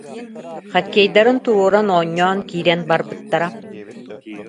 Хоккейдарын туруоран оонньоон киирэн барбыт- тара